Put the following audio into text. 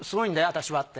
私はって。